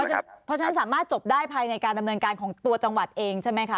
เพราะฉะนั้นสามารถจบได้ภายในการดำเนินการของตัวจังหวัดเองใช่ไหมคะ